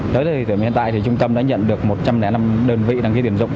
đối với hiện tại thì trung tâm đã nhận được một trăm linh năm đơn vị đăng ký tiền dụng